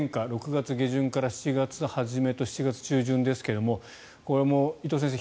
６月下旬から７月初めと７月中旬ですがこれも伊藤先生